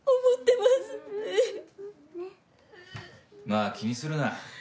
まあ気にするな。